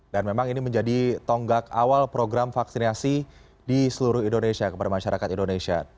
dan memang ini menjadi tonggak awal program vaksinasi di seluruh indonesia kepada masyarakat indonesia